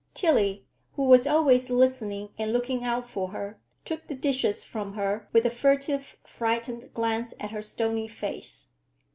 Tillie, who was always listening and looking out for her, took the dishes from her with a furtive, frightened glance at her stony face.